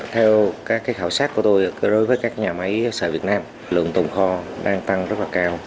theo các khảo sát của tôi đối với các nhà máy xạ việt nam lượng tồn kho đang tăng rất là cao